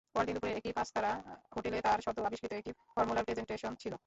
পরদিন দুপুরে একটি পাঁচতারা হোটেলে তার সদ্য আবিষ্কৃত একটি ফর্মুলার প্রেজেন্টেশন ছিল।